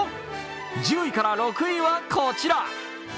１０位から６位はこちら。